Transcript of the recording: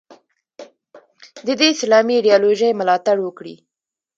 د دې اسلامي ایدیالوژۍ ملاتړ وکړي.